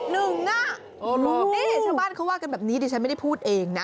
นี่ชาวบ้านเขาว่ากันแบบนี้ดิฉันไม่ได้พูดเองนะ